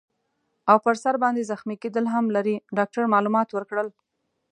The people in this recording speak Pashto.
او پر سر باندي زخمي کیدل هم لري. ډاکټر معلومات ورکړل.